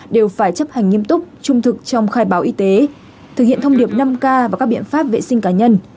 đều phải chấp hành nghiêm túc trung thực trong khai báo y tế thực hiện thông điệp năm k và các biện pháp vệ sinh cá nhân